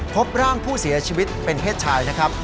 พบร่างผู้เสียชีวิตเป็นเพศชายนะครับ